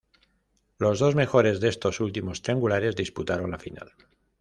Los dos mejores de estos últimos triangulares disputaron la final.